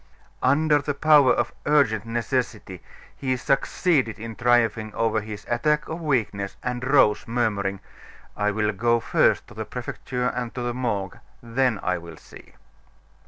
Under the power of urgent necessity, he succeeded in triumphing over his attack of weakness, and rose, murmuring: "I will go first to the Prefecture and to the Morgue; then I will see."